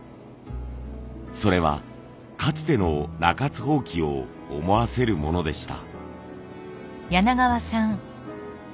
それはかつての中津箒を思わせるものでした。